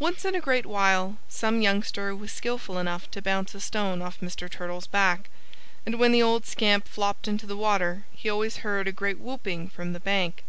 Once in a great while some youngster was skillful enough to bounce a stone off Mr. Turtle's back. And when the old scamp flopped into the water he always heard a great whooping from the bank.